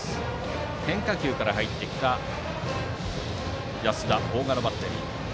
変化球から入ってきた安田、大賀のバッテリー。